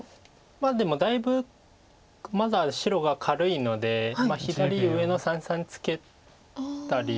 でもだいぶまだ白が軽いので左上の三々にツケたり。